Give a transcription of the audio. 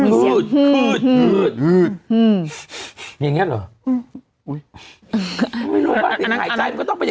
เหือดเหือดอย่างเงี้ยหรออุ๊ยดิตายก์ไจมก็ต้องเป็นอย่างงนี้ปะ